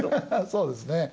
そうですね。